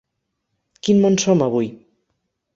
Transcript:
Quin món som avui?